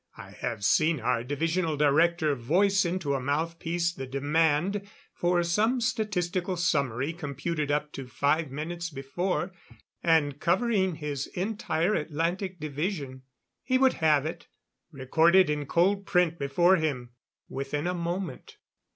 I have seen our Divisional Director voice into a mouthpiece the demand for some statistical summary computed up to five minutes before, and covering his entire Atlantic Division. He would have it, recorded in cold print before him, within a moment.